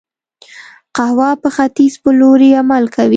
قوه په ختیځ په لوري عمل کوي.